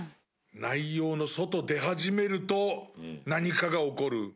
内容の外出始めると何かが起こる。